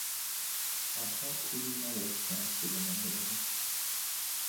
آنها پولی نداشتند که به من بدهند.